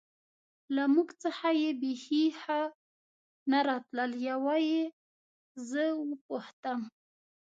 له موږ څخه یې بېخي ښه نه راتلل، یوه یې زه و پوښتم.